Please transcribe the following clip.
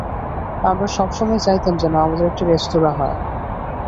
আমারা সবসময় চাইতাম যেন আমাদের একটা রেস্তোরাঁ হয়।